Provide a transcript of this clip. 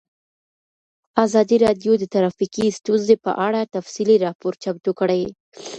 ازادي راډیو د ټرافیکي ستونزې په اړه تفصیلي راپور چمتو کړی.